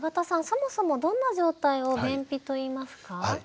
そもそもどんな状態を便秘といいますか？